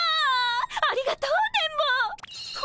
ありがとう電ボ！